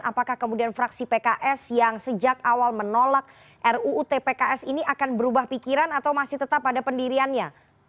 apakah kemudian fraksi pks yang sejak awal menolak ruu tpks ini akan berubah pikiran atau masih tetap ada pendiriannya